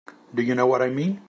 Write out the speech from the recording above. Do you know what I mean?